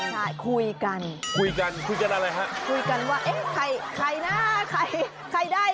ใช่คุยกันคุยกันคุยกันอะไรฮะคุยกันว่าเอ๊ะใครใครนะใครใครได้